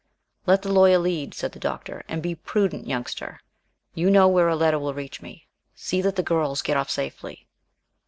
"Let the Lawyer lead," said the Doctor, "and be prudent, Youngster. You know where a letter will reach me. See that the girls get off safely!"